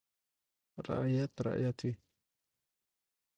• رعیت رعیت وي.